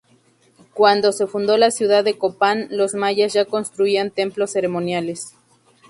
Cuando se fundó la ciudad de Copán, los Mayas ya construían templos ceremoniales.